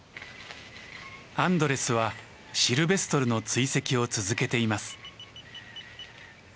アンドレスはシルベストルの追跡を続けています。